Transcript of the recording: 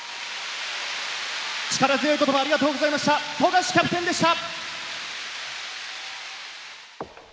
力強い言葉をありがとうございました、富樫キャプテンでした。